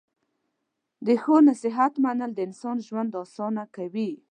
د ښو نصیحت منل د انسان ژوند اسانه کوي.